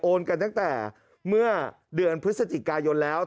กันตั้งแต่เมื่อเดือนพฤศจิกายนแล้ว